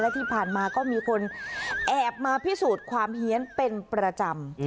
ที่ผ่านมาก็มีคนแอบมาพิสูจน์ความเฮียนเป็นประจำ